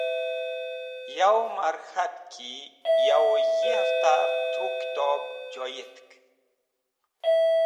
Yawẽ mar k̃hat ki yawẽ yi hẽftar tru kitob joyetk.